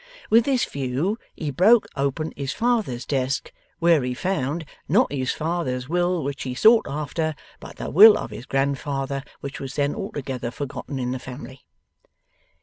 With this view, he broke open his father's desk, where he found not his father's will which he sought after, but the will of his grandfather, which was then altogether forgotten in the family."